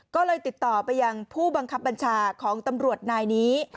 ก็เลยติดต่อไปยังผู้บังคับบัญชาของตำรวจนายนี้